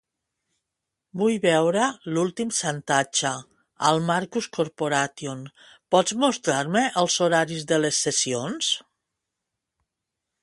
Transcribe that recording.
Vull veure "L'últim xantatge" al Marcus Corporation, pots mostrar-me els horaris de les sessions?